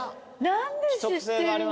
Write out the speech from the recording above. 何で知ってるの？